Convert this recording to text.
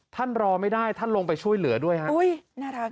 ท่านรอไม่ได้ท่านลงไปช่วยเหลือด้วยฮะอุ้ยน่ารัก